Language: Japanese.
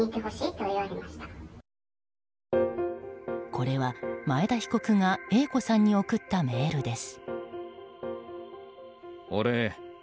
これは前田被告がＡ子さんに送ったメールです。